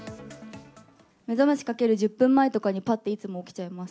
目覚ましかける１０分前とかに、ぱっていつも起きちゃいます。